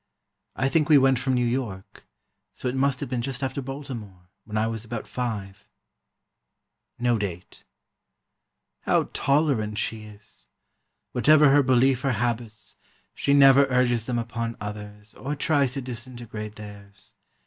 I think we went from New York, so it must have been just after Baltimore, when I was about five." No date: How tolerant she is! Whatever her belief or habits, she never urges them upon others, or tries to disintegrate theirs.